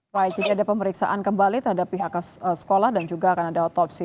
baik jadi ada pemeriksaan kembali terhadap pihak sekolah dan juga akan ada otopsi